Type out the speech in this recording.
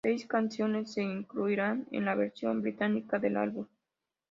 Seis canciones se incluirán en la versión británica del álbum.